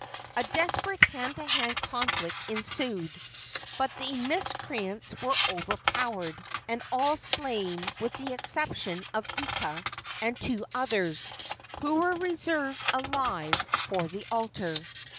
A desperate hand to hand conflict ensued; but the miscreants were overpowered, and all slain with the exception of Ika and two others, who were reserved alive for the altar.